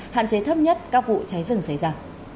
hạn chế thấp nhất các vụ cháy rừng xảy ra